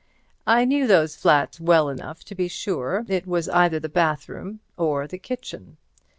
I knew those flats well enough to be sure it was either the bathroom or the kitchen.